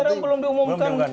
kan sekarang belum diumumkan